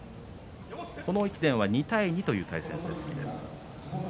この１年は２対２という対戦成績です。